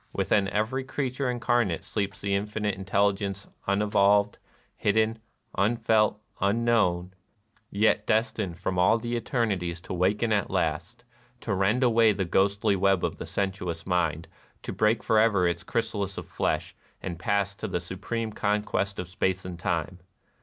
Within every creature incarnate sleeps the Infinite Intelligence unevolved, hidden, unfelt, un known, — yet destined from all the eternities to waken at last, to rend away the ghostly web of sensuous mind, to break forever its chrysalis of flesh, and pass to the supreme ^ Vagra pragna paramita Sutra. NIRVANA 223 conquest of Space and Time.